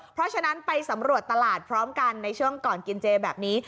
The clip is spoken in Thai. เพราะฉะนั้นไปสำรวจตลาดพร้อมกันในช่วงก่อนกินเจแบบนี้